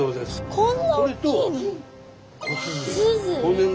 こんな大きいの？